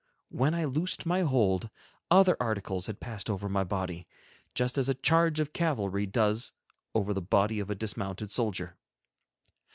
When I loosed my hold, other articles had passed over my body, just as a charge of cavalry does over the body of a dismounted soldier.